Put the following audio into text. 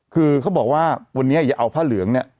คือเขาบอกว่าวันนี้อย่าเอาผ้าเหลืองเนี่ย